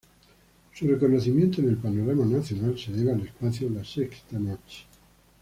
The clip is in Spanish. Su reconocimiento en el panorama nacional se debe al espacio "LaSexta Noche".